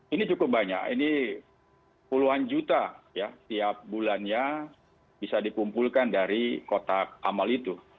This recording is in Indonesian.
ini cukup banyak ini puluhan juta ya tiap bulannya bisa dikumpulkan dari kotak amal itu